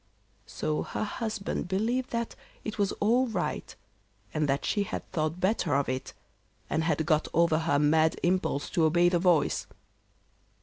So her husband believed that it was all right, and that she had thought better of it, and had got over her mad impulse to obey the voice.